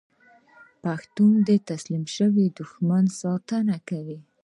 پښتون د تسلیم شوي دښمن ساتنه کوي.